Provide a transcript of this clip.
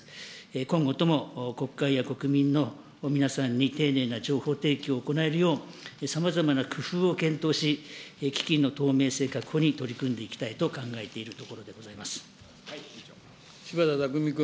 今後とも国会や国民の皆さんに丁寧な情報提供を行えるよう、さまざまな工夫を検討し、基金の透明性確保に取り組んでいきたいと考えているところでござ柴田巧君。